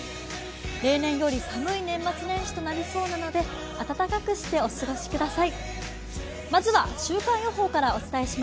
例年より寒い年末年始となりそうなので、暖かくしてお過ごしください。